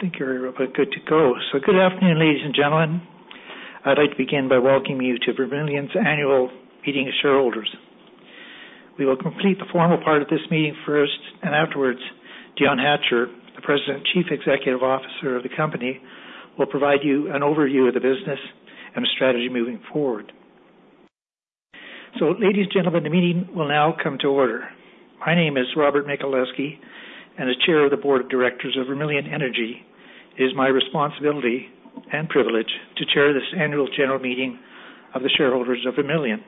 I think you're real good to go. Good afternoon, ladies and gentlemen. I'd like to begin by welcoming you to Vermilion's Annual Meeting of Shareholders. We will complete the formal part of this meeting first, and afterwards, Dion Hatcher, the President, Chief Executive Officer of the company, will provide you an overview of the business and strategy moving forward. Ladies and gentlemen, the meeting will now come to order. My name is Robert Michaleski, and as Chair of the Board of Directors of Vermilion Energy, it is my responsibility and privilege to chair this annual general meeting of the shareholders of Vermilion.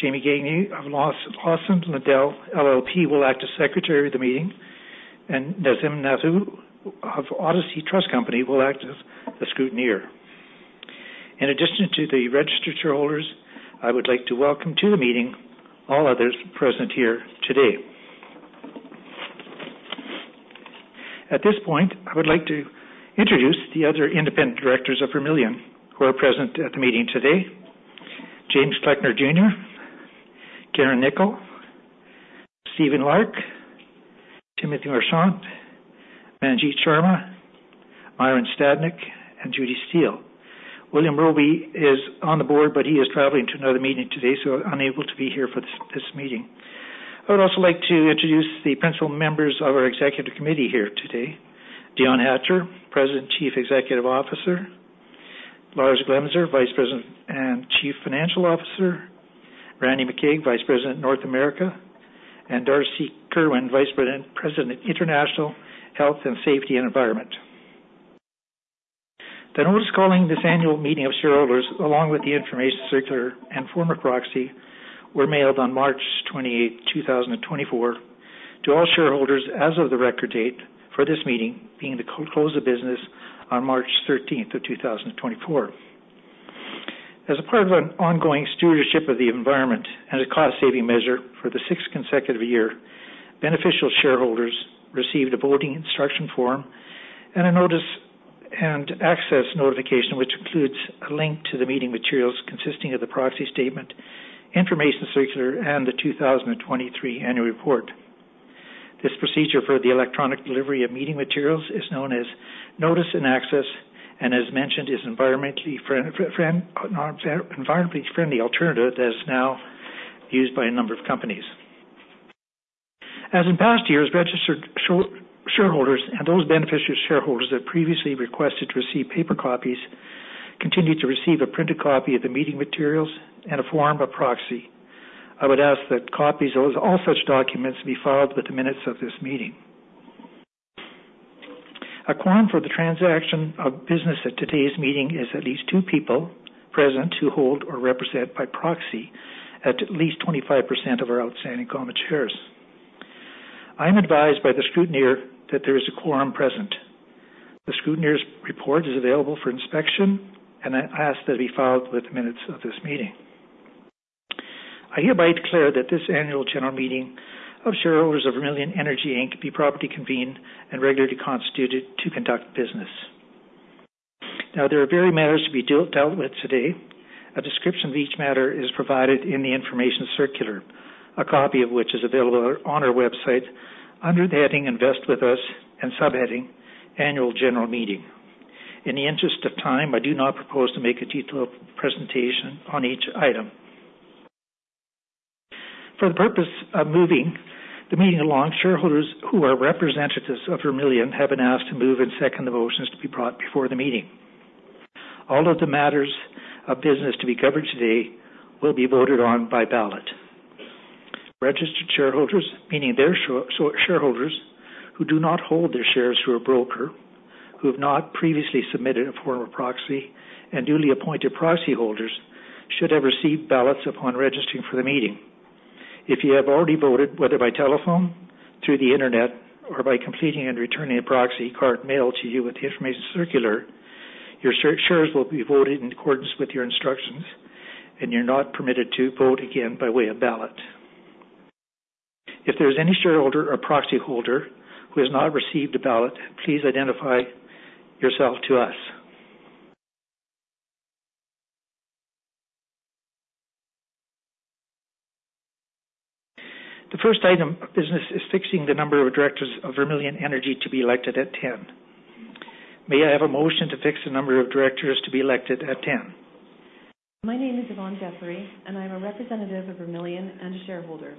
Jamie Gagner of Lawson Lundell LLP will act as Secretary of the meeting, and Nazim Nathoo of Odyssey Trust Company will act as the scrutineer. In addition to the registered shareholders, I would like to welcome to the meeting all others present here today. At this point, I would like to introduce the other independent directors of Vermilion who are present at the meeting today. James Kleckner, Carin Knickel, Stephen Larke, Timothy Marchant, Manjit Sharma, Myron Stadnyk, and Judy Steele. William Roby is on the board, but he is traveling to another meeting today, so unable to be here for this meeting. I would also like to introduce the principal members of our executive committee here today. Dion Hatcher, President and Chief Executive Officer, Lars Glemser, Vice President and Chief Financial Officer, Randy McQuaig, Vice President, North America, and Darcy Kerwin, Vice President, International and Health, Safety and Environment. The notice calling this annual meeting of shareholders, along with the information circular and form of proxy, were mailed on March 28, 2024, to all shareholders as of the record date for this meeting, being the close of business on March 13, 2024. As a part of an ongoing stewardship of the environment and a cost-saving measure for the sixth consecutive year, beneficial shareholders received a voting instruction form and a Notice and Access notification, which includes a link to the meeting materials consisting of the proxy statement, information circular, and the 2023 Annual Report. This procedure for the electronic delivery of meeting materials is known as Notice and Access, and as mentioned, is environmentally friendly alternative that is now used by a number of companies. As in past years, registered shareholders and those beneficial shareholders that previously requested to receive paper copies continued to receive a printed copy of the meeting materials and a form of proxy. I would ask that copies of all such documents be filed with the minutes of this meeting. A quorum for the transaction of business at today's meeting is at least two people present, who hold or represent by proxy at least 25% of our outstanding common shares. I am advised by the scrutineer that there is a quorum present. The scrutineer's report is available for inspection, and I ask that it be filed with the minutes of this meeting. I hereby declare that this annual general meeting of shareholders of Vermilion Energy Inc. be properly convened and regularly constituted to conduct business. Now, there are varied matters to be dealt with today. A description of each matter is provided in the Information Circular, a copy of which is available on our website under the heading Invest With Us and subheading Annual General Meeting. In the interest of time, I do not propose to make a detailed presentation on each item. For the purpose of moving the meeting along, shareholders who are representatives of Vermilion have been asked to move and second the motions to be brought before the meeting. All of the matters of business to be covered today will be voted on by ballot. Registered shareholders, meaning shareholders who do not hold their shares through a broker, who have not previously submitted a form of proxy, and newly appointed proxy holders, should have received ballots upon registering for the meeting. If you have already voted, whether by telephone, through the Internet, or by completing and returning a proxy card mailed to you with the Information Circular, your share, shares will be voted in accordance with your instructions, and you're not permitted to vote again by way of ballot. If there is any shareholder or proxy holder who has not received a ballot, please identify yourself to us. The first item of business is fixing the number of directors of Vermilion Energy to be elected at 10. May I have a motion to fix the number of directors to be elected at 10? My name is Yvonne Jeffery, and I am a representative of Vermilion and a shareholder.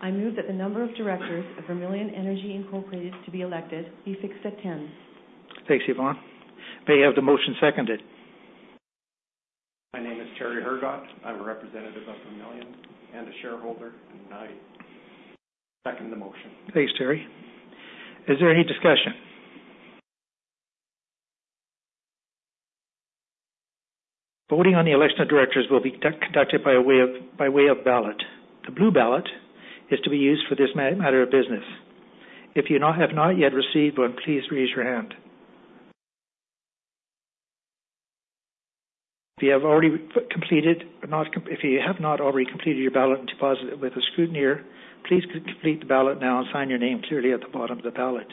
I move that the number of directors of Vermilion Energy Incorporated to be elected be fixed at 10. Thanks, Yvonne. May I have the motion seconded? My name is Terry Hergott. I'm a representative of Vermilion and a shareholder, and I second the motion. Thanks, Terry. Is there any discussion? Voting on the election of directors will be conducted by way of ballot. The blue ballot is to be used for this matter of business. If you have not yet received one, please raise your hand. If you have not already completed your ballot and deposited it with a scrutineer, please complete the ballot now and sign your name clearly at the bottom of the ballot.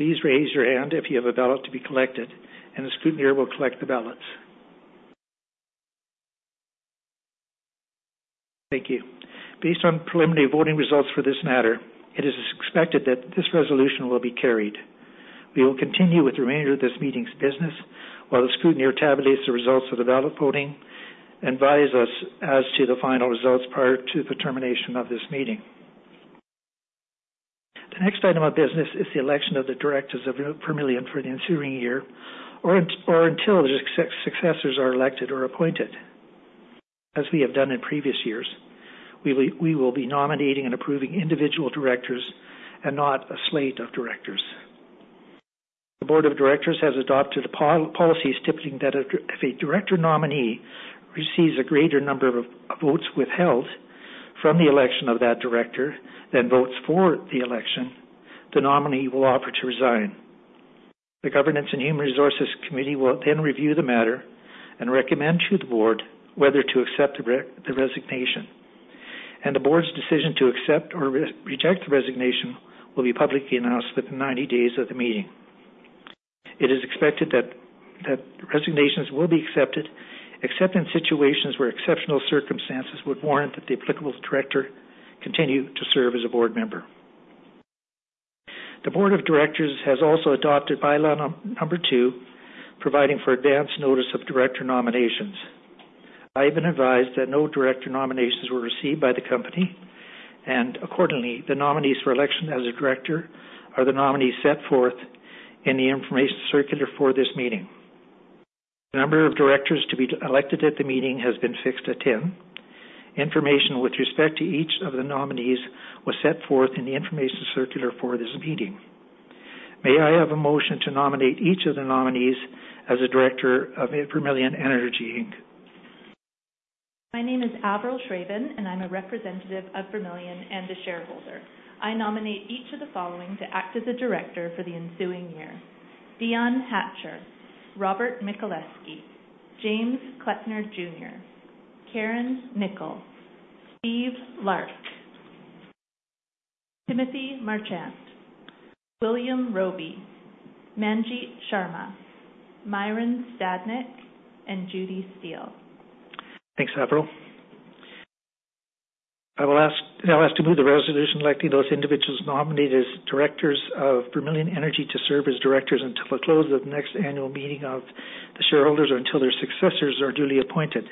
Please raise your hand if you have a ballot to be collected, and the scrutineer will collect the ballots. Thank you. Based on preliminary voting results for this matter, it is expected that this resolution will be carried. We will continue with the remainder of this meeting's business while the scrutineer tabulates the results of the ballot voting and advises us as to the final results prior to the termination of this meeting. The next item of business is the election of the directors of Vermilion for the ensuing year or until the successors are elected or appointed. As we have done in previous years, we will be nominating and approving individual directors and not a slate of directors. The board of directors has adopted a policy stating that if a director nominee receives a greater number of votes withheld from the election of that director than votes for the election, the nominee will offer to resign. The Governance and Human Resources Committee will then review the matter and recommend to the board whether to accept the resignation, and the board's decision to accept or reject the resignation will be publicly announced within 90 days of the meeting. It is expected that resignations will be accepted, except in situations where exceptional circumstances would warrant that the applicable director continue to serve as a board member. The board of directors has also adopted bylaw number two, providing for advance notice of director nominations. I have been advised that no director nominations were received by the company, and accordingly, the nominees for election as a director are the nominees set forth in the Information Circular for this meeting. The number of directors to be elected at the meeting has been fixed at 10. Information with respect to each of the nominees was set forth in the information circular for this meeting. May I have a motion to nominate each of the nominees as a director of Vermilion Energy Inc? My name is Averyl Schraven, and I'm a representative of Vermilion and a shareholder. I nominate each of the following to act as a director for the ensuing year: Dion Hatcher, Robert Michaleski, James Kleckner, Carin Knickel, Stephen Larke, Timothy Marchant, William Roby, Manjit Sharma, Myron Stadnyk, and Judy Steele. Thanks, Averyl. I will now ask to move the resolution electing those individuals nominated as directors of Vermilion Energy to serve as directors until the close of the next annual meeting of the shareholders or until their successors are duly appointed.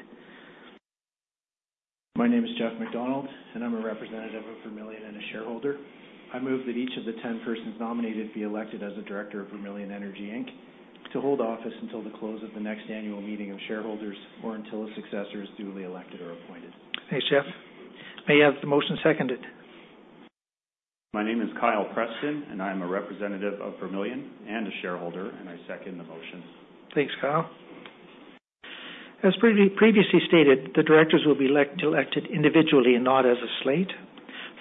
My name is Geoff MacDonald, and I'm a representative of Vermilion and a shareholder. I move that each of the 10 persons nominated be elected as a director of Vermilion Energy Inc., to hold office until the close of the next annual meeting of shareholders or until a successor is duly elected or appointed. Thanks, Geoff. May I have the motion seconded? My name is Kyle Preston, and I am a representative of Vermilion and a shareholder, and I second the motion. Thanks, Kyle. As previously stated, the directors will be elected individually and not as a slate.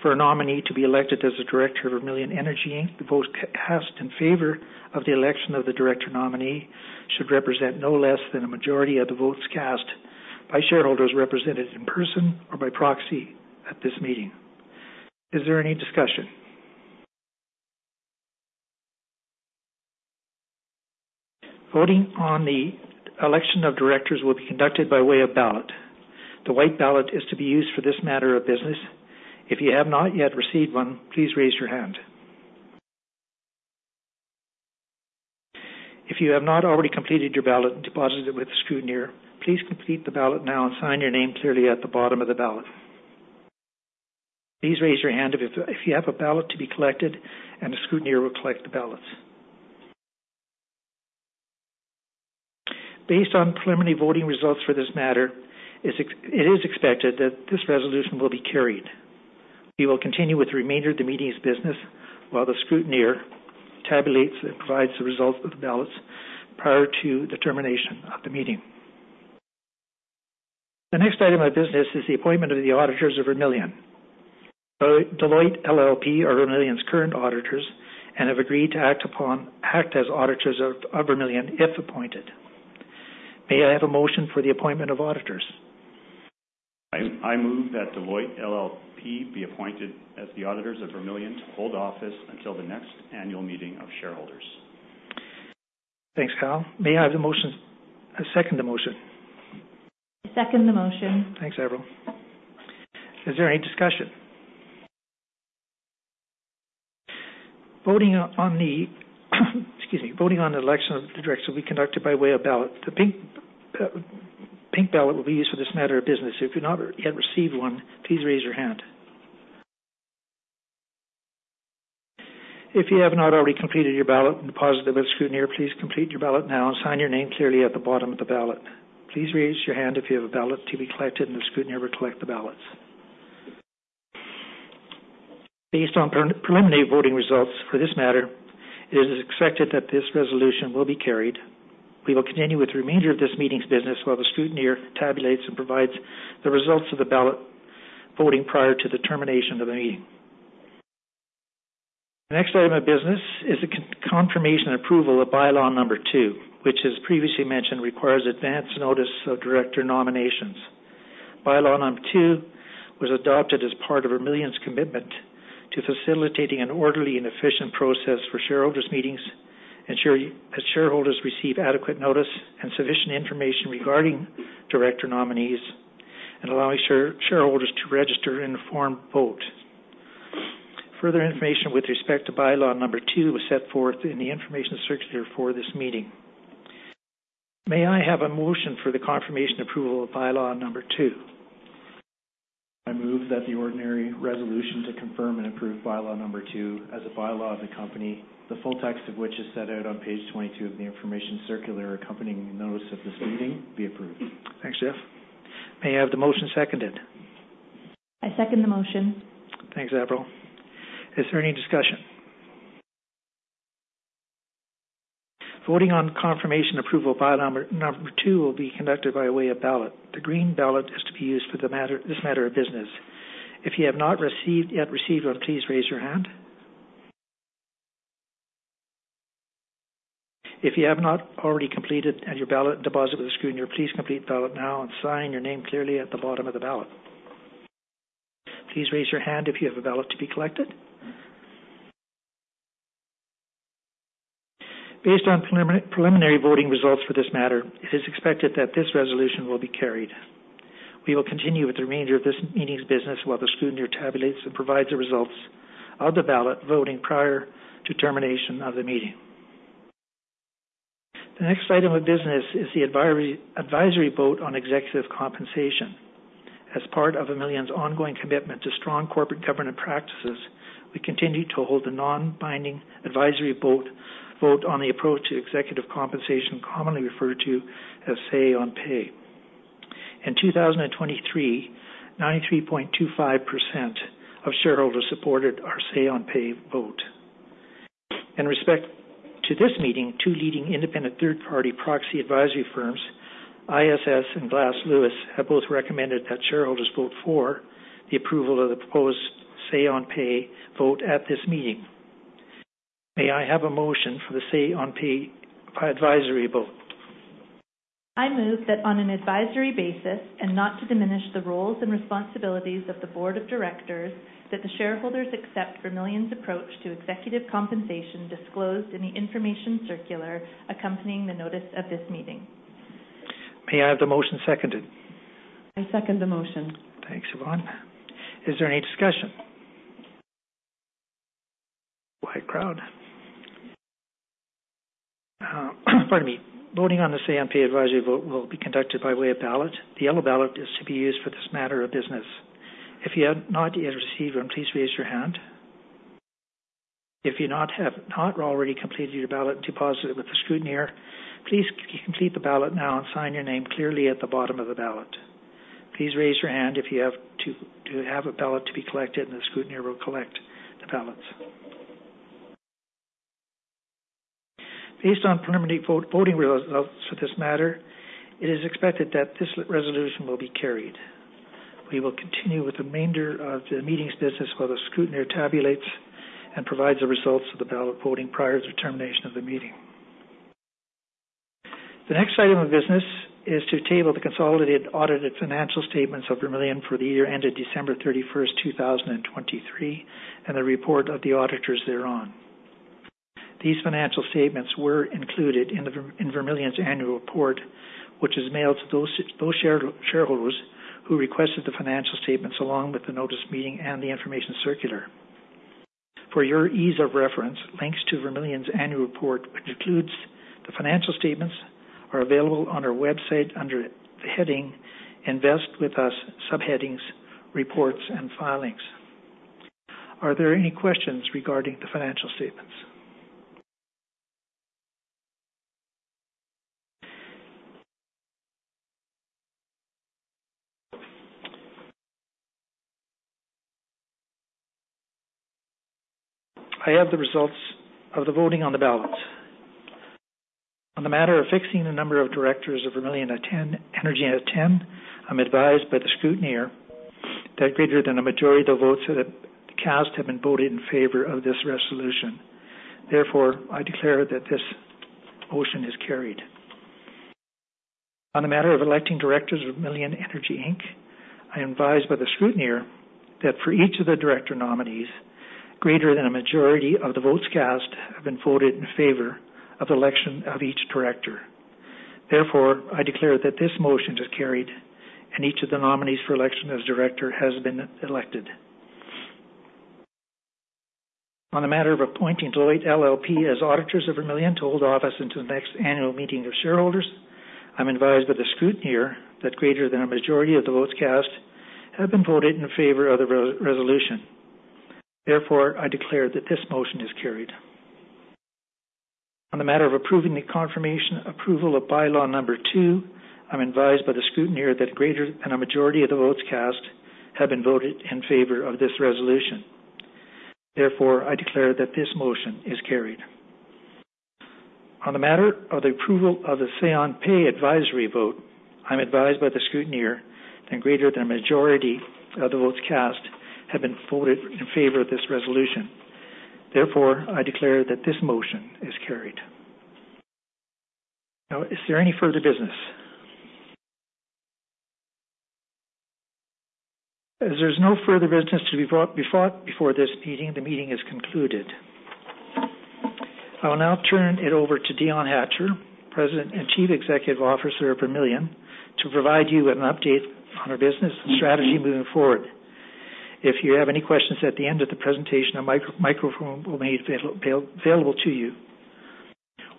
For a nominee to be elected as a director of Vermilion Energy Inc, the vote cast in favor of the election of the director nominee should represent no less than a majority of the votes cast by shareholders represented in person or by proxy at this meeting. Is there any discussion? Voting on the election of directors will be conducted by way of ballot. The white ballot is to be used for this matter of business. If you have not yet received one, please raise your hand. If you have not already completed your ballot and deposited it with the scrutineer, please complete the ballot now and sign your name clearly at the bottom of the ballot. Please raise your hand if you have a ballot to be collected, and the scrutineer will collect the ballots. Based on preliminary voting results for this matter, it is expected that this resolution will be carried. We will continue with the remainder of the meeting's business while the scrutineer tabulates and provides the results of the ballots prior to the termination of the meeting. The next item of business is the appointment of the auditors of Vermilion. Deloitte LLP are Vermilion's current auditors and have agreed to act as auditors of Vermilion, if appointed. May I have a motion for the appointment of auditors? I move that Deloitte LLP be appointed as the auditors of Vermilion to hold office until the next annual meeting of shareholders. Thanks, Kyle. May I have a motion, second the motion? I second the motion. Thanks, Averyl. Is there any discussion? Voting on the election of the directors will be conducted by way of ballot. The pink ballot will be used for this matter of business. If you've not yet received one, please raise your hand. If you have not already completed your ballot and deposited with the scrutineer, please complete your ballot now and sign your name clearly at the bottom of the ballot. Please raise your hand if you have a ballot to be collected, and the scrutineer will collect the ballots. Based on preliminary voting results for this matter, it is expected that this resolution will be carried. We will continue with the remainder of this meeting's business while the scrutineer tabulates and provides the results of the ballot voting prior to the termination of the meeting. The next item of business is the confirmation and approval of bylaw number two, which, as previously mentioned, requires advance notice of director nominations. Bylaw number two was adopted as part of Vermilion's commitment to facilitating an orderly and efficient process for shareholders meetings, ensuring shareholders receive adequate notice and sufficient information regarding director nominees, and allowing shareholders to register an informed vote. Further information with respect to bylaw number two was set forth in the Information Circular for this meeting. May I have a motion for the confirmation approval of bylaw number two? I move that the ordinary resolution to confirm and approve bylaw number two as a bylaw of the company, the full text of which is set out on page 22 of the information circular accompanying the notice of this meeting, be approved. Thanks, Geoff. May I have the motion seconded? I second the motion. Thanks, Averyl. Is there any discussion? Voting on confirmation approval bylaw number two will be conducted by way of ballot. The green ballot is to be used for this matter of business. If you have not yet received one, please raise your hand. If you have not already completed and your ballot deposited with the scrutineer, please complete the ballot now and sign your name clearly at the bottom of the ballot. Please raise your hand if you have a ballot to be collected. Based on preliminary voting results for this matter, it is expected that this resolution will be carried. We will continue with the remainder of this meeting's business while the scrutineer tabulates and provides the results of the ballot voting prior to termination of the meeting. The next item of business is the advisory vote on executive compensation. As part of Vermilion's ongoing commitment to strong corporate governance practices, we continue to hold a non-binding advisory vote on the approach to executive compensation, commonly referred to as say-on-pay. In 2023, 93.25% of shareholders supported our say-on-pay vote. In respect to this meeting, two leading independent third-party proxy advisory firms, ISS and Glass Lewis, have both recommended that shareholders vote for the approval of the proposed say-on-pay vote at this meeting. May I have a motion for the say-on-pay advisory vote? I move that on an advisory basis and not to diminish the roles and responsibilities of the board of directors, that the shareholders accept Vermilion's approach to executive compensation disclosed in the Information Circular accompanying the notice of this meeting. May I have the motion seconded? I second the motion. Thanks, Yvonne. Is there any discussion? Quiet crowd, pardon me. Voting on the Say on Pay advisory vote will be conducted by way of ballot. The yellow ballot is to be used for this matter of business. If you have not yet received one, please raise your hand. If you not have, not already completed your ballot, deposit it with the scrutineer. Please complete the ballot now and sign your name clearly at the bottom of the ballot. Please raise your hand if you have to, to have a ballot to be collected, and the scrutineer will collect the ballots. Based on preliminary vote, voting results for this matter, it is expected that this resolution will be carried. We will continue with the remainder of the meeting's business while the scrutineer tabulates and provides the results of the ballot voting prior to termination of the meeting. The next item of business is to table the consolidated audited financial statements of Vermilion for the year ended December 31, 2023, and the report of the auditors thereon. These financial statements were included in the in Vermilion's annual report, which is mailed to those those shareholders who requested the financial statements, along with the notice of meeting and the information circular. For your ease of reference, links to Vermilion's annual report, which includes the financial statements, are available on our website under the heading Invest With Us, subheading Reports and Filings. Are there any questions regarding the financial statements? I have the results of the voting on the ballots. On the matter of fixing the number of directors of Vermilion Energy at 10, I'm advised by the scrutineer that greater than a majority of the votes that have been cast have been voted in favor of this resolution. Therefore, I declare that this motion is carried. On the matter of electing directors of Vermilion Energy Inc, I am advised by the scrutineer that for each of the director nominees, greater than a majority of the votes cast have been voted in favor of the election of each director. Therefore, I declare that this motion is carried, and each of the nominees for election as director has been elected. On the matter of appointing Deloitte LLP as auditors of Vermilion to hold office until the next annual meeting of shareholders, I'm advised by the scrutineer that greater than a majority of the votes cast have been voted in favor of the resolution. Therefore, I declare that this motion is carried. On the matter of approving the confirmation approval of bylaw number two, I'm advised by the scrutineer that greater than a majority of the votes cast have been voted in favor of this resolution. Therefore, I declare that this motion is carried. On the matter of the approval of the say-on-pay advisory vote, I'm advised by the scrutineer that greater than a majority of the votes cast have been voted in favor of this resolution. Therefore, I declare that this motion is carried. Now, is there any further business? As there's no further business to be brought before this meeting, the meeting is concluded. I'll now turn it over to Dion Hatcher, President and Chief Executive Officer of Vermilion, to provide you with an update on our business and strategy moving forward. If you have any questions at the end of the presentation, a microphone will be made available to you.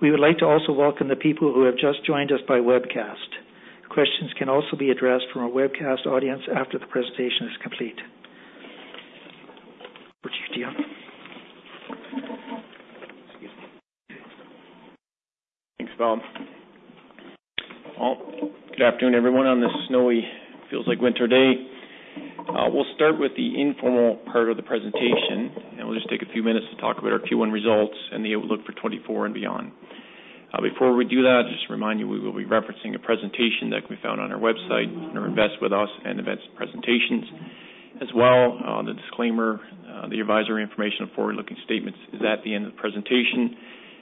We would like to also welcome the people who have just joined us by webcast. Questions can also be addressed from our webcast audience after the presentation is complete. Over to you, Dion. Excuse me. Thanks, Bob. Well, good afternoon, everyone, on this snowy, feels like winter day. We'll start with the informal part of the presentation, and we'll just take a few minutes to talk about our Q1 results and the outlook for 2024 and beyond. Before we do that, just to remind you, we will be referencing a presentation that can be found on our website, under Invest With Us and Invest presentations. As well, the disclaimer, the advisory information on forward-looking statements is at the end of the presentation,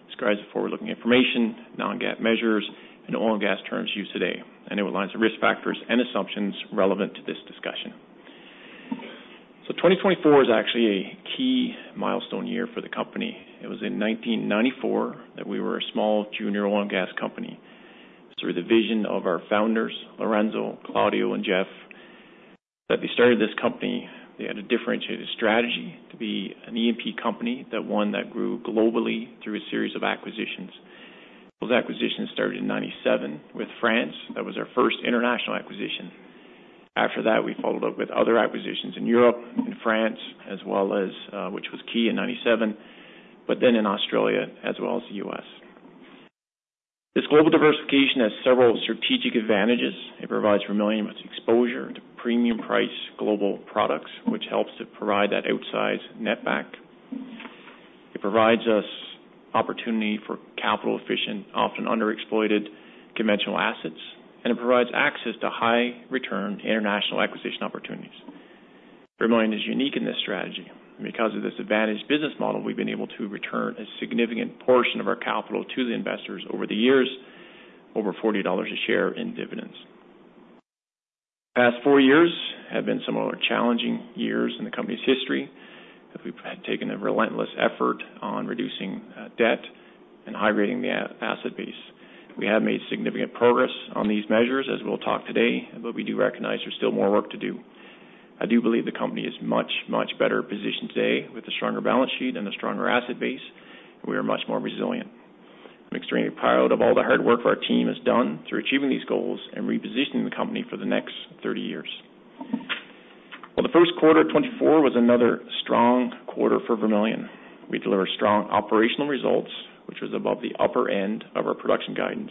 describes the forward-looking information, non-GAAP measures, and oil and gas terms used today, and it outlines the risk factors and assumptions relevant to this discussion. So 2024 is actually a key milestone year for the company. It was in 1994 that we were a small junior oil and gas company. It was through the vision of our founders, Lorenzo, Claudio, and Jeff, that they started this company. They had a differentiated strategy to be an E&P company, that one that grew globally through a series of acquisitions. Those acquisitions started in 1997 with France. That was our first international acquisition. After that, we followed up with other acquisitions in Europe and France, as well as, which was key in 1997, but then in Australia, as well as the US. This global diversification has several strategic advantages. It provides Vermilion with exposure to premium-priced global products, which helps to provide that outsized netback. It provides us opportunity for capital-efficient, often underexploited, conventional assets, and it provides access to high-return international acquisition opportunities. Vermilion is unique in this strategy, and because of this advantaged business model, we've been able to return a significant portion of our capital to the investors over the years, over $40 a share in dividends. The past four years have been some of our challenging years in the company's history, as we've had taken a relentless effort on reducing, debt and high-grading the asset base. We have made significant progress on these measures, as we'll talk today, but we do recognize there's still more work to do. I do believe the company is much, much better positioned today with a stronger balance sheet and a stronger asset base, and we are much more resilient. I'm extremely proud of all the hard work our team has done through achieving these goals and repositioning the company for the next 30 years. Well, the first quarter of 2024 was another strong quarter for Vermilion. We delivered strong operational results, which was above the upper end of our production guidance.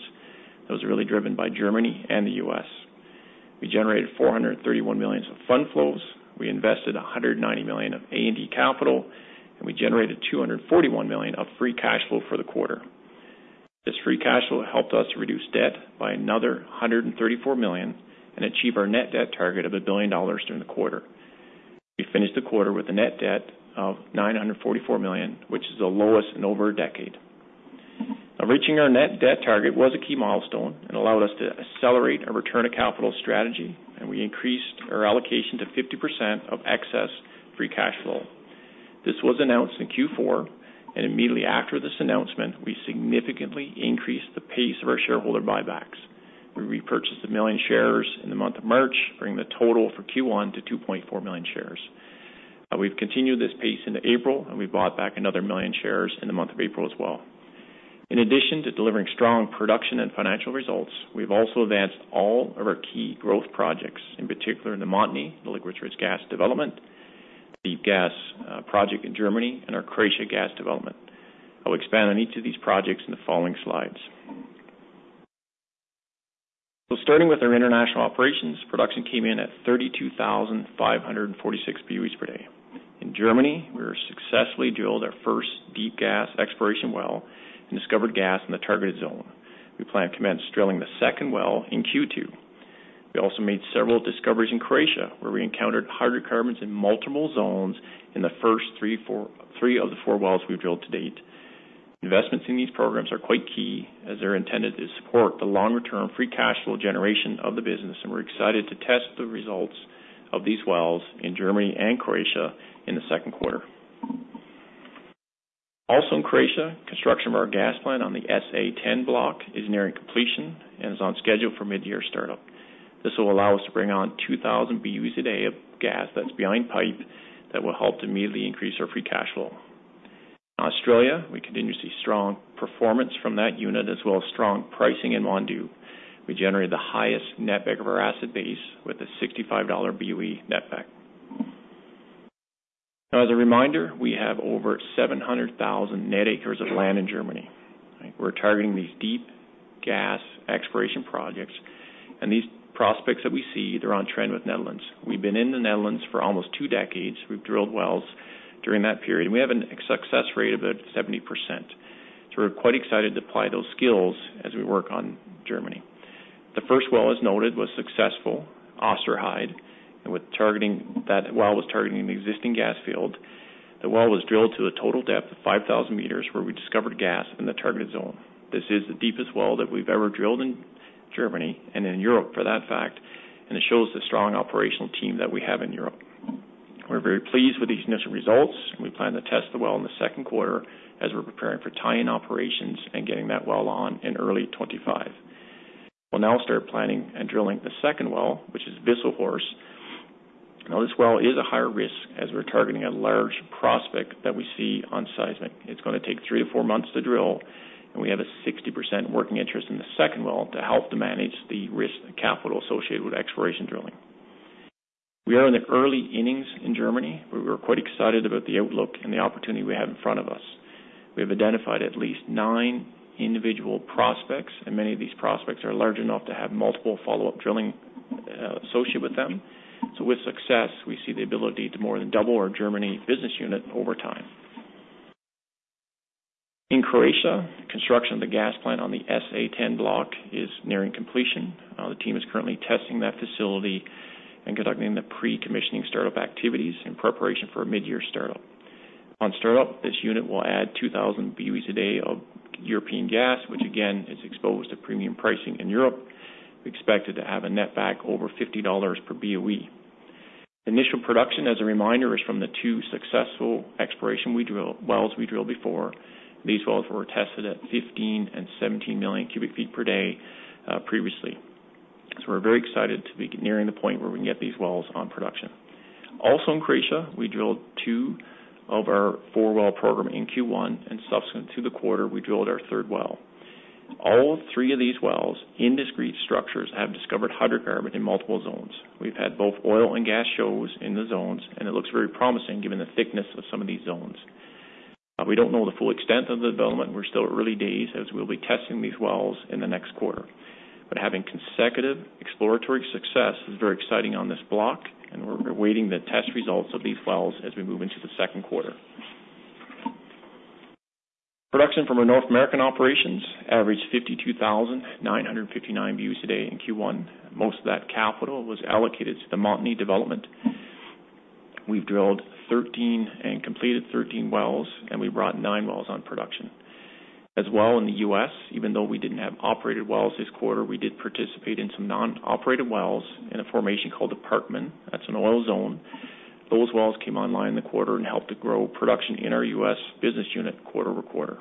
That was really driven by Germany and the U.S. We generated $431 million of fund flows, we invested $190 million of A&D capital, and we generated $241 million of free cash flow for the quarter. This free cash flow helped us reduce debt by another $134 million and achieve our net debt target of $1 billion during the quarter. We finished the quarter with a net debt of $944 million, which is the lowest in over a decade. Now, reaching our net debt target was a key milestone and allowed us to accelerate our return of capital strategy, and we increased our allocation to 50% of excess free cash flow. This was announced in Q4, and immediately after this announcement, we significantly increased the pace of our shareholder buybacks. We repurchased 1 million shares in the month of March, bringing the total for Q1 to 2.4 million shares. We've continued this pace into April, and we bought back another 1 million shares in the month of April as well. In addition to delivering strong production and financial results, we've also advanced all of our key growth projects, in particular, the Montney, the liquid-rich gas development, the deep gas project in Germany, and our Croatia gas development. I'll expand on each of these projects in the following slides. Starting with our international operations, production came in at 32,546 BOEs per day. In Germany, we successfully drilled our first deep gas exploration well and discovered gas in the targeted zone. We plan to commence drilling the second well in Q2. We also made several discoveries in Croatia, where we encountered hydrocarbons in multiple zones in the first three of the four wells we've drilled to date. Investments in these programs are quite key, as they're intended to support the longer-term free cash flow generation of the business, and we're excited to test the results of these wells in Germany and Croatia in the second quarter. Also, in Croatia, construction of our gas plant on the SA-10 block is nearing completion and is on schedule for mid-year startup. This will allow us to bring on 2,000 BOEs a day of gas that's behind pipe that will help to immediately increase our free cash flow. In Australia, we continue to see strong performance from that unit, as well as strong pricing in Wandoo. We generated the highest netback of our asset base with a $65/BOE netback. Now, as a reminder, we have over 700,000 net acres of land in Germany. We're targeting these deep gas exploration projects, and these prospects that we see, they're on trend with Netherlands. We've been in the Netherlands for almost 2 decades. We've drilled wells during that period, and we have a success rate of about 70%. So we're quite excited to apply those skills as we work on Germany. The first well, as noted, was successful, Osterheide. With targeting, that well was targeting an existing gas field. The well was drilled to a total depth of 5,000 meters, where we discovered gas in the targeted zone. This is the deepest well that we've ever drilled in Germany and in Europe for that fact, and it shows the strong operational team that we have in Europe. We're very pleased with these initial results, and we plan to test the well in the second quarter as we're preparing for tie-in operations and getting that well on in early 2025. We'll now start planning and drilling the second well, which is Wisselshorst. Now, this well is a higher risk as we're targeting a large prospect that we see on seismic. It's gonna take three, four months to drill, and we have a 60% working interest in the second well to help to manage the risk and capital associated with exploration drilling. We are in the early innings in Germany, where we're quite excited about the outlook and the opportunity we have in front of us. We have identified at least 9 individual prospects, and many of these prospects are large enough to have multiple follow-up drilling associated with them. So with success, we see the ability to more than double our Germany business unit over time. In Croatia, construction of the gas plant on the SA-10 block is nearing completion. The team is currently testing that facility and conducting the pre-commissioning start-up activities in preparation for a mid-year start-up. On start-up, this unit will add 2,000 BOEs a day of European gas, which again, is exposed to premium pricing in Europe. We expect it to have a netback over $50 per BOE. Initial production, as a reminder, is from the two successful exploration we drill-- wells we drilled before. These wells were tested at 15 million and 17 million cubic feet per day, previously. So we're very excited to be nearing the point where we can get these wells on production. Also, in Croatia, we drilled two of our Four Well program in Q1, and subsequent to the quarter, we drilled our third well. All three of these wells in discrete structures have discovered hydrocarbon in multiple zones. We've had both oil and gas shows in the zones, and it looks very promising, given the thickness of some of these zones. We don't know the full extent of the development. We're still early days as we'll be testing these wells in the next quarter. But having consecutive exploratory success is very exciting on this block, and we're awaiting the test results of these wells as we move into the second quarter. Production from our North American operations averaged 52,959 BOEs a day in Q1. Most of that capital was allocated to the Montney development. We've drilled 13 and completed 13 wells, and we brought nine wells on production. As well, in the U.S., even though we didn't have operated wells this quarter, we did participate in some non-operated wells in a formation called the Parkman. That's an oil zone. Those wells came online in the quarter and helped to grow production in our U.S. business unit quarter-over-quarter.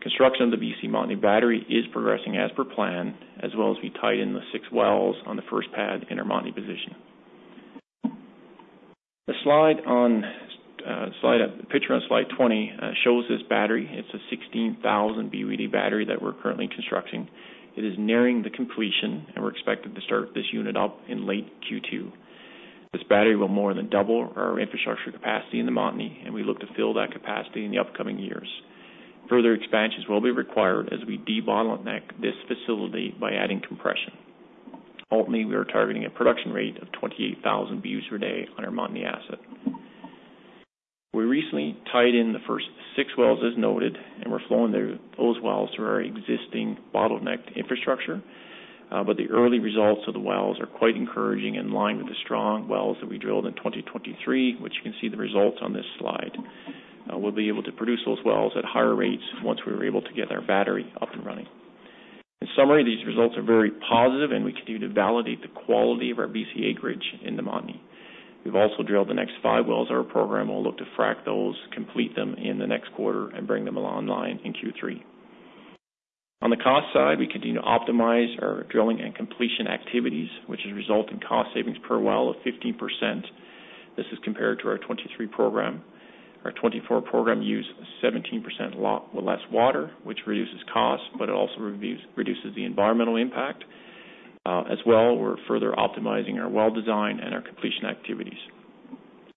Construction of the BC Montney battery is progressing as per plan, as well as we tie in the six wells on the first pad in our Montney position. The slide on, slide picture on slide 20, shows this battery. It's a 16,000 BOE battery that we're currently constructing. It is nearing the completion, and we're expected to start this unit up in late Q2. This battery will more than double our infrastructure capacity in the Montney, and we look to fill that capacity in the upcoming years. Further expansions will be required as we debottleneck this facility by adding compression. Ultimately, we are targeting a production rate of 28,000 BOEs per day on our Montney asset. We recently tied in the first six wells, as noted, and we're flowing those wells through our existing bottlenecked infrastructure. But the early results of the wells are quite encouraging, in line with the strong wells that we drilled in 2023, which you can see the results on this slide. We'll be able to produce those wells at higher rates once we're able to get our battery up and running. In summary, these results are very positive, and we continue to validate the quality of our BC acreage in the Montney. We've also drilled the next five wells, our program will look to frack those, complete them in the next quarter, and bring them online in Q3. On the cost side, we continue to optimize our drilling and completion activities, which has resulted in cost savings per well of 15%. This is compared to our 2023 program. Our 2024 program used 17% less water, which reduces costs, but it also reduces the environmental impact. As well, we're further optimizing our well design and our completion activities.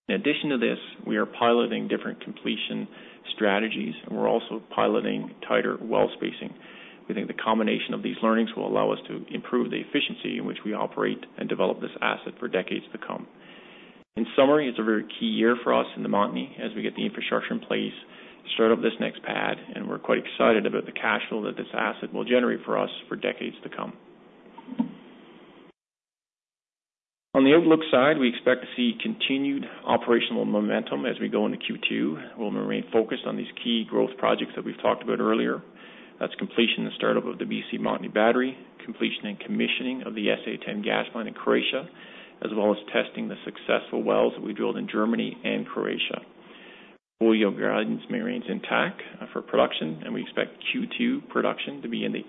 In addition to this, we are piloting different completion strategies, and we're also piloting tighter well spacing. We think the combination of these learnings will allow us to improve the efficiency in which we operate and develop this asset for decades to come. In summary, it's a very key year for us in the Montney as we get the infrastructure in place to start up this next pad, and we're quite excited about the cash flow that this asset will generate for us for decades to come. On the outlook side, we expect to see continued operational momentum as we go into Q2. We'll remain focused on these key growth projects that we've talked about earlier. That's completion and startup of the BC Montney battery, completion and commissioning of the SA-10 gas plant in Croatia, as well as testing the successful wells that we drilled in Germany and Croatia. Full-year guidance remains intact for production, and we expect Q2 production to be in the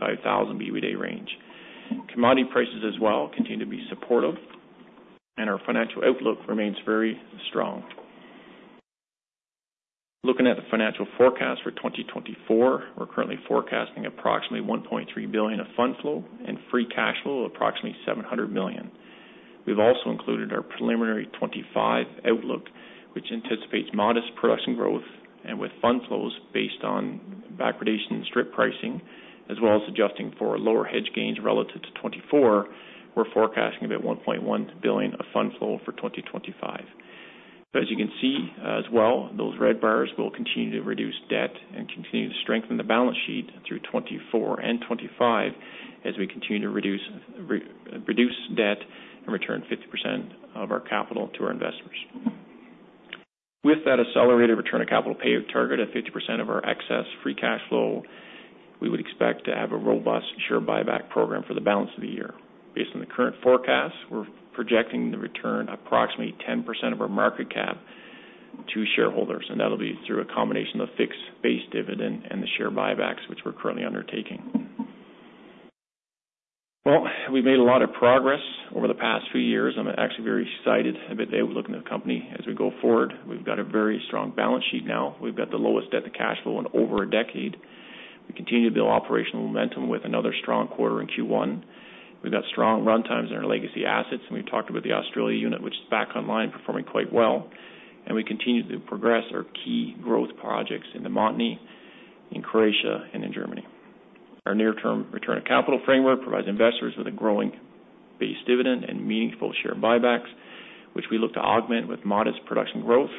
83,000-85,000 BOE day range. Commodity prices as well continue to be supportive, and our financial outlook remains very strong. Looking at the financial forecast for 2024, we're currently forecasting approximately $1.3 billion of fund flow and free cash flow of approximately $700 million. We've also included our preliminary 2025 outlook, which anticipates modest production growth and with fund flows based on backwardation and strip pricing, as well as adjusting for lower hedge gains relative to 2024, we're forecasting about $1.1 billion of fund flow for 2025. So as you can see as well, those red bars will continue to reduce debt and continue to strengthen the balance sheet through 2024 and 2025, as we continue to reduce debt and return 50% of our capital to our investors. With that accelerated return of capital pay target of 50% of our excess free cash flow, we would expect to have a robust share buyback program for the balance of the year. Based on the current forecast, we're projecting to return approximately 10% of our market cap to shareholders, and that'll be through a combination of fixed base dividend and the share buybacks, which we're currently undertaking. Well, we've made a lot of progress over the past few years. I'm actually very excited about looking at the company as we go forward. We've got a very strong balance sheet now. We've got the lowest debt to cash flow in over a decade. We continue to build operational momentum with another strong quarter in Q1. We've got strong runtimes in our legacy assets, and we've talked about the Australia unit, which is back online, performing quite well, and we continue to progress our key growth projects in the Montney, in Croatia, and in Germany. Our near-term return of capital framework provides investors with a growing base dividend and meaningful share buybacks, which we look to augment with modest production growth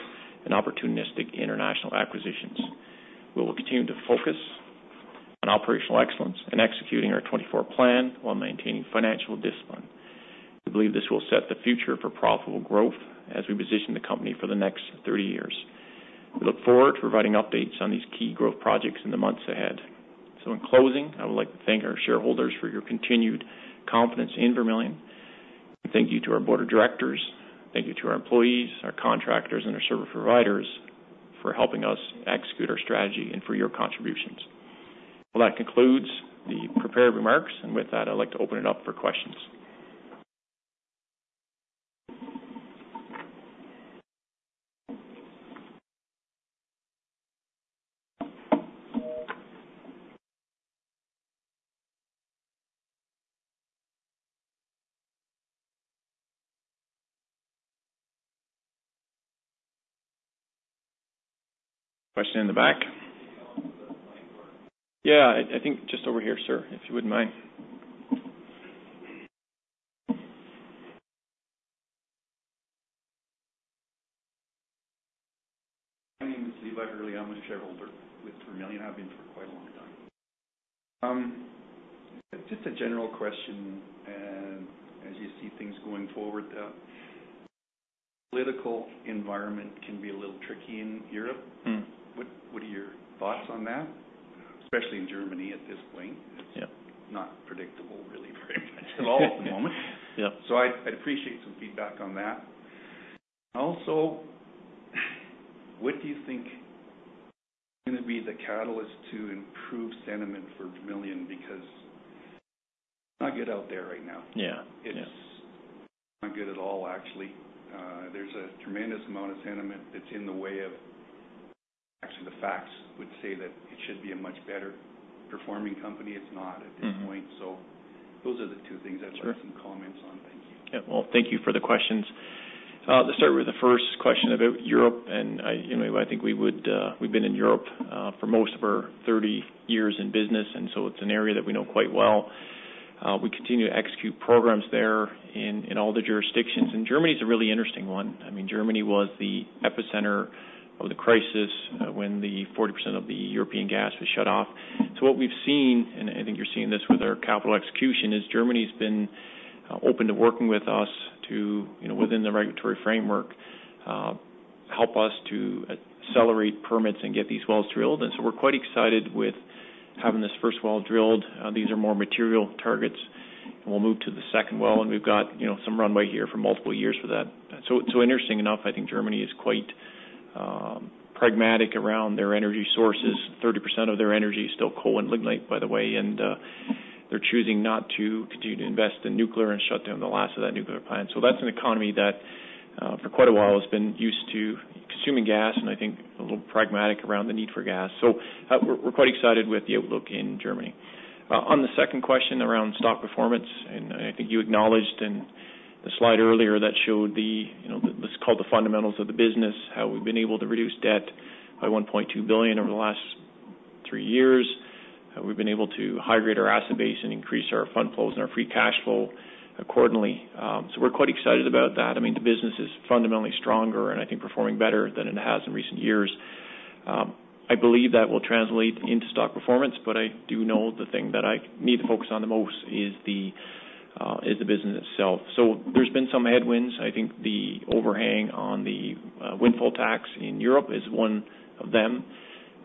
and opportunistic international acquisitions. We will continue to focus on operational excellence and executing our 2024 plan, while maintaining financial discipline. We believe this will set the future for profitable growth as we position the company for the next 30 years. We look forward to providing updates on these key growth projects in the months ahead. So in closing, I would like to thank our shareholders for your continued confidence in Vermilion. Thank you to our board of directors, thank you to our employees, our contractors, and our service providers for helping us execute our strategy and for your contributions. Well, that concludes the prepared remarks, and with that, I'd like to open it up for questions. Question in the back? Yeah, I think just over here, sir, if you wouldn't mind. My name is (Levi Hurley). I'm a shareholder with Vermilion. I've been for quite a long time. Just a general question, and as you see things going forward, political environment can be a little tricky in Europe. Mm-hmm. What, what are your thoughts on that? Especially in Germany at this point. Yeah. Not predictable, really, very much at all at the moment. Yeah. So I'd appreciate some feedback on that. Also, what do you think is gonna be the catalyst to improve sentiment for Vermilion? Because it's not good out there right now. Yeah. It's not good at all, actually. There's a tremendous amount of sentiment that's in the way of, actually, the facts would say that it should be a much better-performing company. It's not at this point. Mm-hmm. Those are the two things- Sure. I'd like some comments on. Thank you. Yeah. Well, thank you for the questions. To start with the first question about Europe, and I, you know, I think we would... We've been in Europe for most of our 30 years in business, and so it's an area that we know quite well. We continue to execute programs there in all the jurisdictions, and Germany is a really interesting one. I mean, Germany was the epicenter of the crisis when the 40% of the European gas was shut off. So what we've seen, and I think you're seeing this with our capital execution, is Germany's been open to working with us to, you know, within the regulatory framework, help us to accelerate permits and get these wells drilled. And so we're quite excited with having this first well drilled. These are more material targets, and we'll move to the second well, and we've got, you know, some runway here for multiple years for that. So, so interesting enough, I think Germany is quite pragmatic around their energy sources. 30% of their energy is still coal and lignite, by the way, and they're choosing not to continue to invest in nuclear and shut down the last of that nuclear plant. So that's an economy that for quite a while has been used to consuming gas and I think a little pragmatic around the need for gas. So we're quite excited with the outlook in Germany. On the second question around stock performance, and I think you acknowledged in the slide earlier that showed the, you know, let's call it the fundamentals of the business, how we've been able to reduce debt by $1.2 billion over the last three years. We've been able to high-grade our asset base and increase our fund flows and our free cash flow accordingly. So we're quite excited about that. I mean, the business is fundamentally stronger and, I think, performing better than it has in recent years. I believe that will translate into stock performance, but I do know the thing that I need to focus on the most is the business itself. So there's been some headwinds. I think the overhang on the windfall tax in Europe is one of them.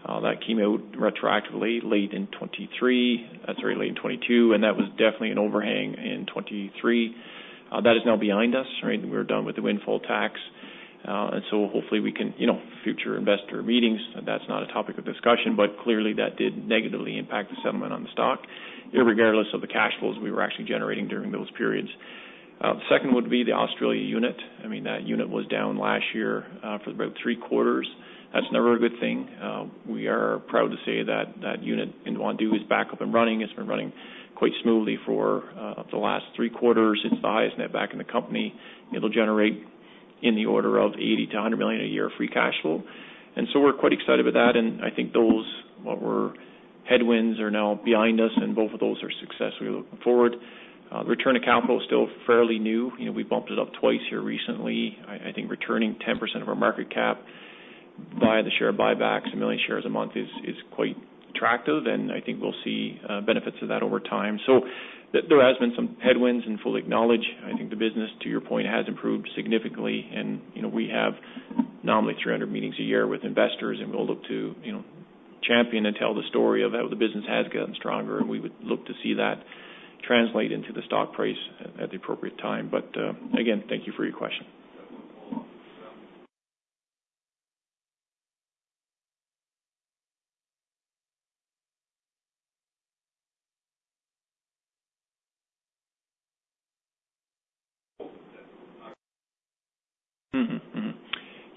That came out retroactively, late in 2023. Sorry, late in 2022, and that was definitely an overhang in 2023. That is now behind us, right? We're done with the windfall tax. And so hopefully we can, you know, future investor meetings, that's not a topic of discussion, but clearly that did negatively impact the sentiment on the stock- Mm-hmm. Irregardless of the cash flows we were actually generating during those periods. The second would be the Australia unit. I mean, that unit was down last year for about three quarters. That's never a good thing. We are proud to say that that unit in Wandoo is back up and running. It's been running quite smoothly for the last three quarters since the asset back in the company. It'll generate in the order of $80 million-$100 million a year free cash flow, and so we're quite excited about that. And I think those headwinds are now behind us, and both of those are successfully looking forward. Return on capital is still fairly new. You know, we bumped it up twice here recently. I think returning 10% of our market cap via the share buybacks, 1 million shares a month, is quite attractive, and I think we'll see benefits of that over time. So there has been some headwinds and fully acknowledge, I think the business, to your point, has improved significantly. You know, we have nominally 300 meetings a year with investors, and we'll look to, you know, champion and tell the story of how the business has gotten stronger, and we would look to see that translate into the stock price at the appropriate time. But again, thank you for your question.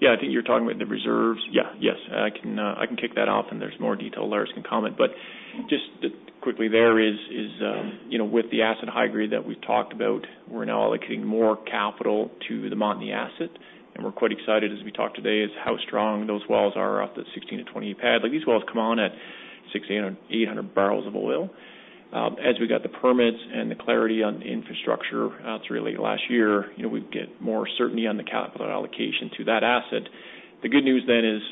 Mm-hmm, mm-hmm. Yeah, I think you're talking about the reserves. Yeah, yes. I can kick that off, and there's more detail Lars can comment. But just quickly there is, you know, with the asset high grade that we've talked about, we're now allocating more capital to the Montney asset, and we're quite excited as we talk today, is how strong those wells are off the 16-20 pad. Like, these wells come on at 600-800 barrels of oil. As we got the permits and the clarity on the infrastructure, it's really last year, you know, we'd get more certainty on the capital allocation to that asset. The good news then is,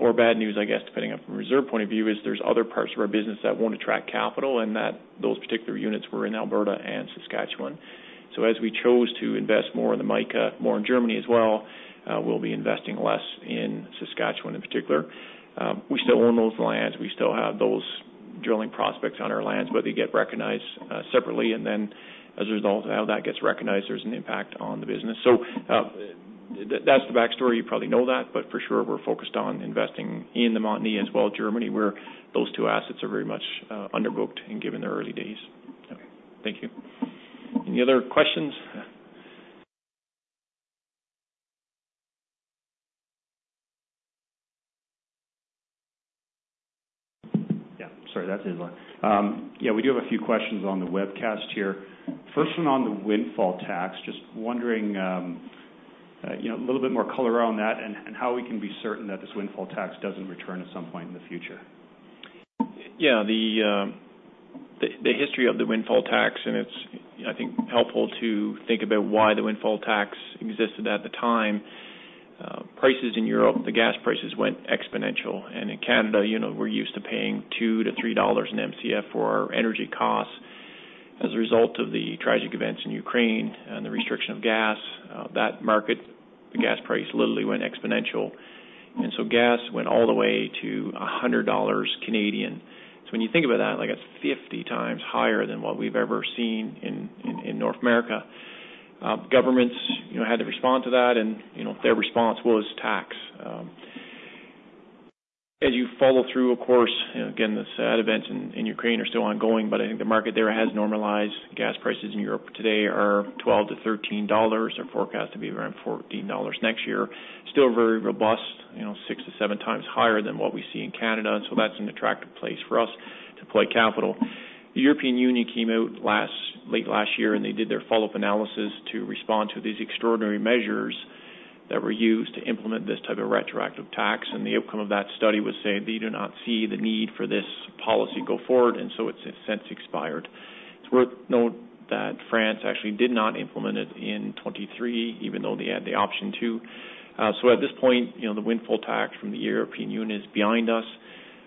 or bad news, I guess, depending on from a reserve point of view, is there's other parts of our business that won't attract capital, and that those particular units were in Alberta and Saskatchewan. So as we chose to invest more in the Mica, more in Germany as well, we'll be investing less in Saskatchewan in particular. We still own those lands. We still have those drilling prospects on our lands, but they get recognized separately, and then as a result of how that gets recognized, there's an impact on the business. So, that's the backstory. You probably know that, but for sure, we're focused on investing in the Montney as well, Germany, where those two assets are very much underbooked and given their early days. Thank you. Any other questions? Yeah, sorry, that's in line. Yeah, we do have a few questions on the webcast here. First one on the windfall tax. Just wondering, you know, a little bit more color around that and how we can be certain that this windfall tax doesn't return at some point in the future. Yeah, the history of the windfall tax, and it's, I think, helpful to think about why the windfall tax existed at the time. Prices in Europe, the gas prices went exponential, and in Canada, you know, we're used to paying $2-$3 in MCF for our energy costs. As a result of the tragic events in Ukraine and the restriction of gas, that market, the gas price literally went exponential, and so gas went all the way to 100 Canadian dollars. So when you think about that, like, that's 50 times higher than what we've ever seen in North America. Governments, you know, had to respond to that, and, you know, their response was tax. As you follow through, of course, you know, again, the sad events in Ukraine are still ongoing, but I think the market there has normalized. Gas prices in Europe today are $12-$13 and forecast to be around $14 next year. Still very robust, you know, six to seven times higher than what we see in Canada, and so that's an attractive place for us to play capital. The European Union came out late last year, and they did their follow-up analysis to respond to these extraordinary measures that were used to implement this type of retroactive tax, and the outcome of that study was saying they do not see the need for this policy go forward, and so it's since expired. It's worth noting that France actually did not implement it in 2023, even though they had the option to. So at this point, you know, the windfall tax from the European Union is behind us.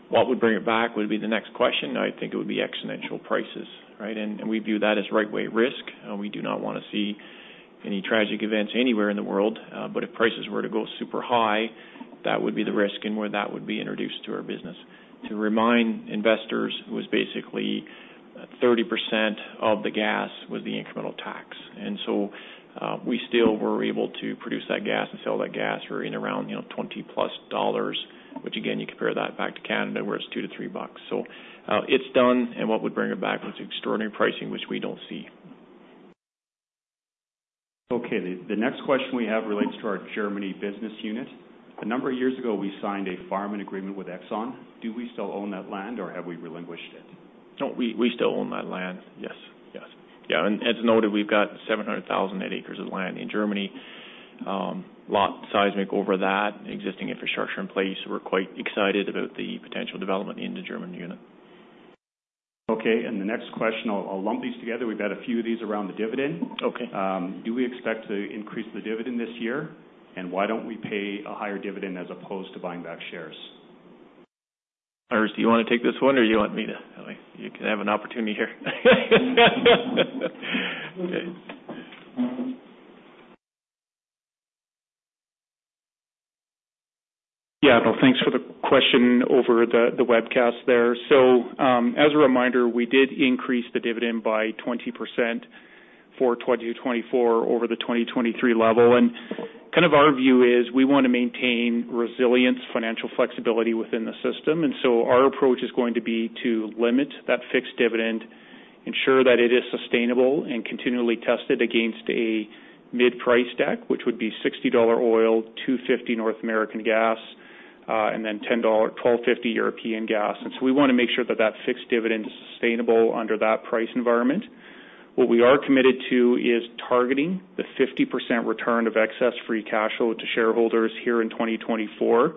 What would bring it back would be the next question. I think it would be exponential prices, right? And we view that as right-of-way risk. We do not wanna see any tragic events anywhere in the world, but if prices were to go super high, that would be the risk and where that would be introduced to our business. To remind investors, it was basically 30% of the gas was the incremental tax, and so, we still were able to produce that gas and sell that gas for around, you know, $20+, which again, you compare that back to Canada, where it's $2-$3. So, it's done, and what would bring it back was extraordinary pricing, which we don't see. Okay, the next question we have relates to our Germany business unit. A number of years ago, we signed a farm-in agreement with Exxon. Do we still own that land, or have we relinquished it? No, we still own that land. Yes, yes. Yeah, and as noted, we've got 700,000 net acres of land in Germany. Lots of seismic over that, existing infrastructure in place. We're quite excited about the potential development in the German unit. Okay, and the next question, I'll, I'll lump these together. We've got a few of these around the dividend. Okay. Do we expect to increase the dividend this year? Why don't we pay a higher dividend as opposed to buying back shares? Lars, do you wanna take this one, or do you want me to? You can have an opportunity here. Yeah, Bill, thanks for the question over the webcast there. So, as a reminder, we did increase the dividend by 20% for 2024 over the 2023 level. And kind of our view is we wanna maintain resilience, financial flexibility within the system, and so our approach is going to be to limit that fixed dividend, ensure that it is sustainable, and continually test it against a mid-price deck, which would be $60 oil, $2.50 North American gas, and then $10-$12.50 European gas. And so we wanna make sure that that fixed dividend is sustainable under that price environment. ... What we are committed to is targeting the 50% return of excess free cash flow to shareholders here in 2024.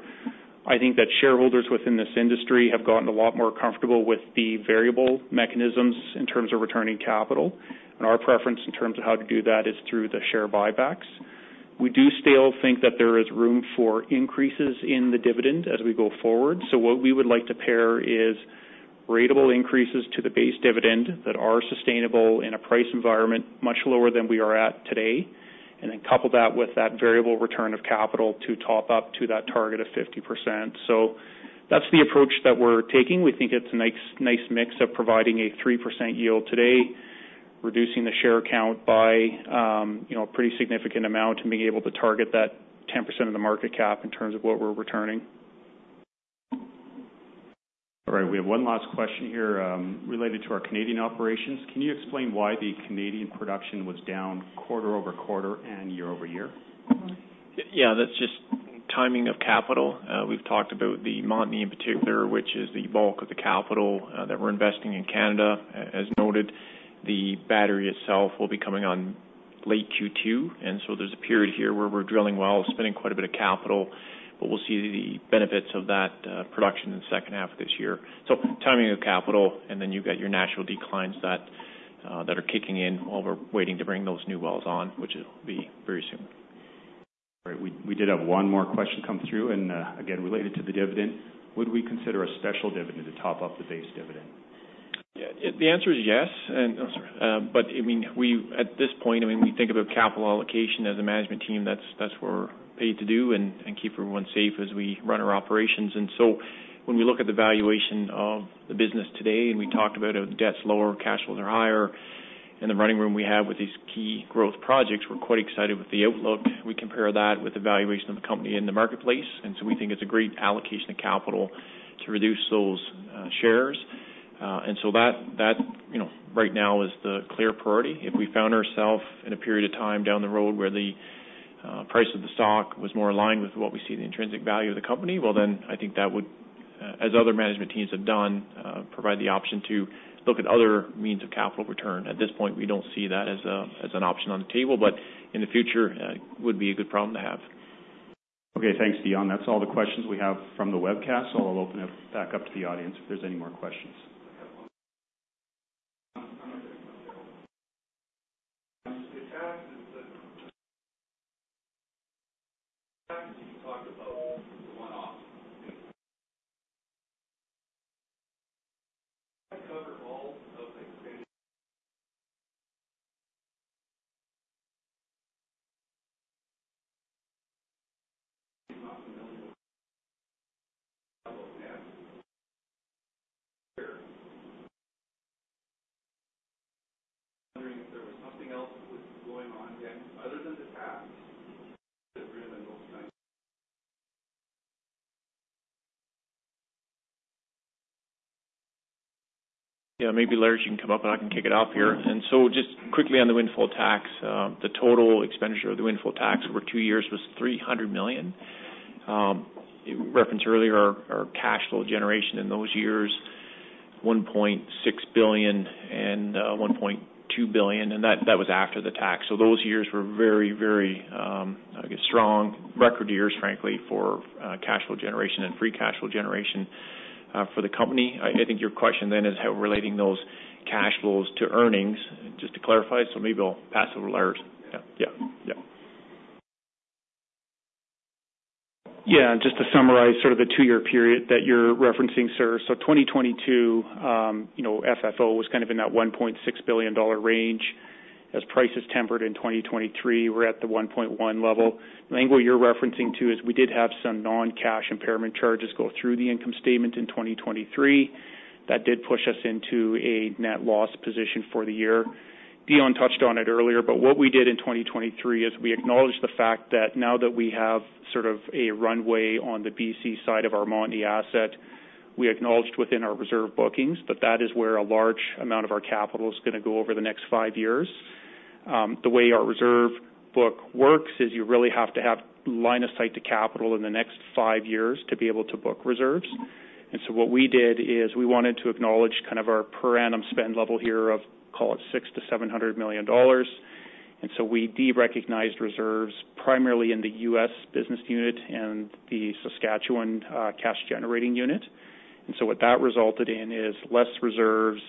I think that shareholders within this industry have gotten a lot more comfortable with the variable mechanisms in terms of returning capital, and our preference in terms of how to do that is through the share buybacks. We do still think that there is room for increases in the dividend as we go forward. So what we would like to pair is ratable increases to the base dividend that are sustainable in a price environment much lower than we are at today, and then couple that with that variable return of capital to top up to that target of 50%. So that's the approach that we're taking. We think it's a nice, nice mix of providing a 3% yield today, reducing the share count by, you know, a pretty significant amount, and being able to target that 10% of the market cap in terms of what we're returning. All right, we have one last question here, related to our Canadian operations. Can you explain why the Canadian production was down quarter-over-quarter and year-over-year? Yeah, that's just timing of capital. We've talked about the Montney, in particular, which is the bulk of the capital that we're investing in Canada. As noted, the battery itself will be coming on late Q2, and so there's a period here where we're drilling wells, spending quite a bit of capital, but we'll see the benefits of that production in the second half of this year. So timing of capital, and then you've got your natural declines that that are kicking in while we're waiting to bring those new wells on, which will be very soon. All right, we did have one more question come through, and, again, related to the dividend. Would we consider a special dividend to top up the base dividend? Yeah, the answer is yes, and but I mean, we at this point, I mean, we think about capital allocation as a management team. That's what we're paid to do and keep everyone safe as we run our operations. And so when we look at the valuation of the business today, and we talked about how the debt's lower, cash flows are higher, and the running room we have with these key growth projects, we're quite excited with the outlook. We compare that with the valuation of the company in the marketplace, and so we think it's a great allocation of capital to reduce those shares. And so that, you know, right now is the clear priority. If we found ourselves in a period of time down the road where the price of the stock was more aligned with what we see the intrinsic value of the company, well, then I think that would, as other management teams have done, provide the option to look at other means of capital return. At this point, we don't see that as a, as an option on the table, but in the future, would be a good problem to have. Okay, thanks, Dion. That's all the questions we have from the webcast, so I'll open it back up to the audience if there's any more questions. [inaudible] The tax is the... You talked about one-off. Does that cover all of the expansion? I'm wondering if there was something else that was going on other than the tax that really goes back? Yeah, maybe, Lars, you can come up, and I can kick it off here. And so just quickly on the windfall tax, the total expenditure of the windfall tax over two years was $300 million. You referenced earlier our, our cash flow generation in those years, $1.6 billion and $1.2 billion, and that, that was after the tax. So those years were very, very, I guess, strong record years, frankly, for cash flow generation and free cash flow generation, for the company. I, I think your question then is relating those cash flows to earnings, just to clarify, so maybe I'll pass it over to Lars. Yeah. Yeah. Yeah. Yeah, just to summarize sort of the two-year period that you're referencing, sir. So 2022, you know, FFO was kind of in that $1.6 billion range. As prices tempered in 2023, we're at the $1.1 billion level. I think what you're referencing to is we did have some non-cash impairment charges go through the income statement in 2023. That did push us into a net loss position for the year. Dion touched on it earlier, but what we did in 2023 is we acknowledged the fact that now that we have sort of a runway on the BC side of our Montney asset, we acknowledged within our reserve bookings that that is where a large amount of our capital is gonna go over the next five years. The way our reserve book works is you really have to have line of sight to capital in the next five years to be able to book reserves. So what we did is we wanted to acknowledge kind of our per annum spend level here of, call it, $600-$700 million. So we derecognized reserves primarily in the U.S. business unit and the Saskatchewan cash-generating unit. So what that resulted in is less reserves,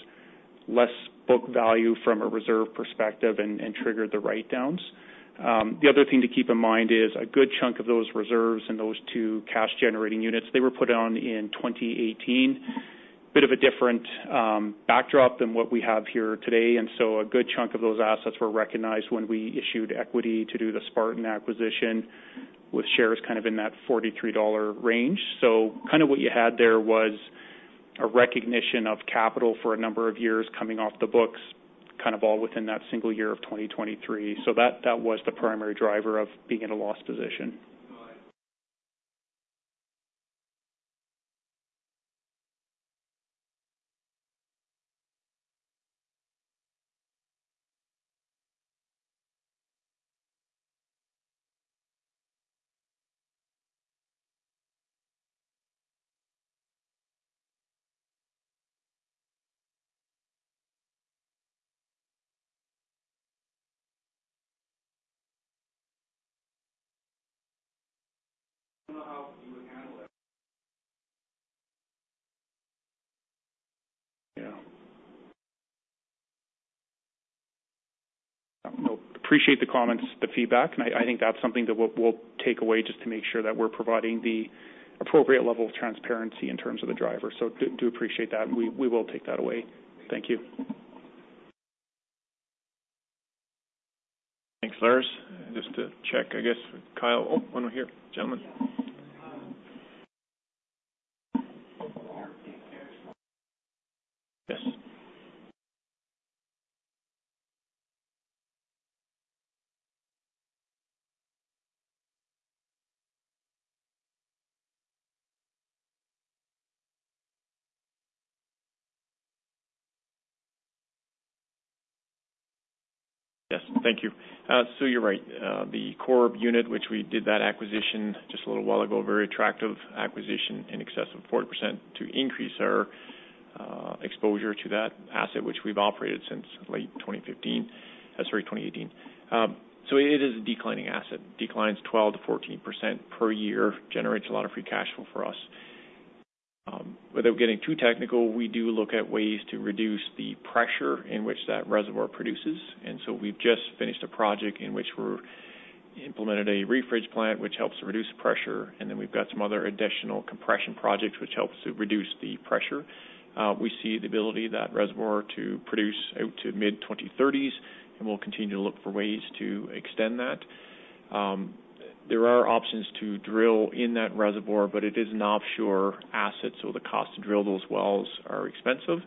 less book value from a reserve perspective and triggered the write-downs. The other thing to keep in mind is a good chunk of those reserves and those two cash-generating units, they were put on in 2018. Bit of a different, backdrop than what we have here today, and so a good chunk of those assets were recognized when we issued equity to do the Spartan acquisition with shares kind of in that $43 dollar range. So kind of what you had there was a recognition of capital for a number of years coming off the books, kind of all within that single year of 2023. So that, that was the primary driver of being in a loss position. Got it. I don't know how you would handle that. Yeah. Well, appreciate the comments, the feedback, and I think that's something that we'll take away just to make sure that we're providing the appropriate level of transparency in terms of the driver. So do appreciate that, and we will take that away. Thank you. Thanks, Lars. Just to check, I guess, Kyle. Oh, one here, gentleman. [inaudible] Yes. Yes, thank you. So you're right. The Corrib unit, which we did that acquisition just a little while ago, very attractive acquisition, in excess of 40% to increase our exposure to that asset, which we've operated since late 2015, sorry, 2018. So it is a declining asset. Declines 12%-14% per year, generates a lot of free cash flow for us. Without getting too technical, we do look at ways to reduce the pressure in which that reservoir produces, and so we've just finished a project in which we've implemented a refrige plant, which helps reduce pressure, and then we've got some other additional compression projects, which helps to reduce the pressure. We see the ability of that reservoir to produce out to mid-2030s, and we'll continue to look for ways to extend that. There are options to drill in that reservoir, but it is an offshore asset, so the cost to drill those wells are expensive.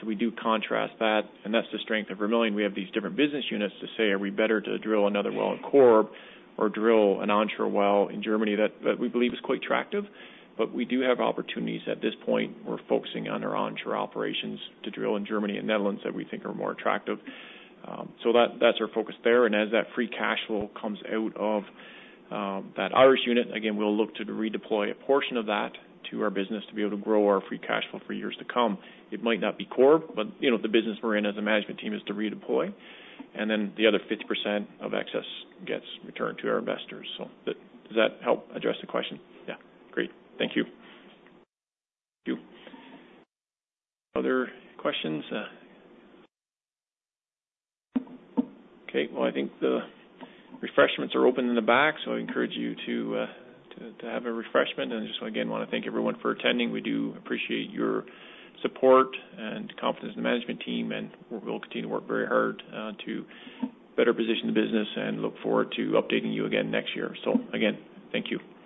So we do contrast that, and that's the strength of Vermilion. We have these different business units to say, are we better to drill another well in Corrib or drill an onshore well in Germany that, that we believe is quite attractive? But we do have opportunities. At this point, we're focusing on our onshore operations to drill in Germany and Netherlands that we think are more attractive. So that's our focus there, and as that free cash flow comes out of that Irish unit, again, we'll look to redeploy a portion of that to our business to be able to grow our free cash flow for years to come. It might not be Corrib, but, you know, the business we're in as a management team is to redeploy, and then the other 50% of excess gets returned to our investors. So does that help address the question? Yeah. Great. Thank you. Thank you. Other questions? Okay, well, I think the refreshments are open in the back, so I encourage you to have a refreshment. And just again, wanna thank everyone for attending. We do appreciate your support and confidence in the management team, and we'll continue to work very hard to better position the business and look forward to updating you again next year. So again, thank you.